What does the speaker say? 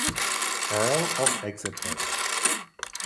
Earl of Exeter.